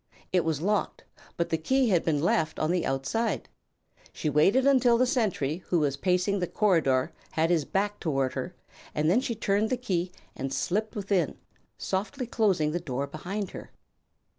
It was locked, but the key had been left on the outside. She waited until the sentry who was pacing the corridor had his back toward her and then she turned the key and slipped within, softly closing the door behind her.